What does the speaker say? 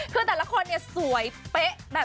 คือแต่ละคนเนี่ยสวยเป๊ะแบบ